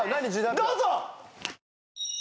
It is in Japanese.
どうぞ！